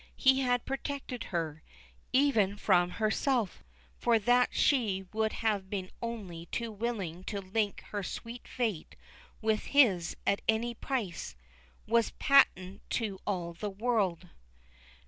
He had protected her even from herself; for that she would have been only too willing to link her sweet fate with his at any price was patent to all the world.